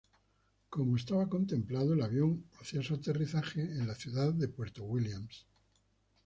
Como estaba contemplado, el avión hacía su aterrizaje en la ciudad de Puerto Williams.